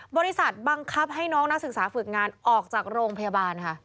บริษัทบังคับให้น้องนักศึกษาฝึกงานออกจากโรงพยาบาลค่ะ